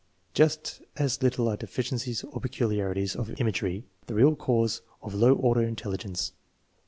Just as little are deficiencies or peculiarities of imagery the real cause of low order in telligence.